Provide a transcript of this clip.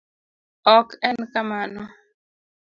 Ok en kamano.